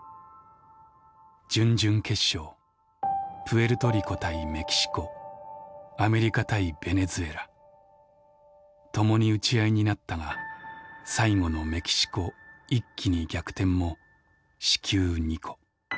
準々決勝プエルトリコ対メキシコアメリカ対ベネズエラ共に打ち合いになったが最後のメキシコ一気に逆転も四球２個。